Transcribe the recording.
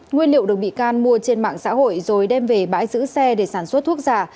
nguyên liệu được bị can mua trên mạng xã hội rồi đem về bãi giữ xe để sản xuất thuốc giả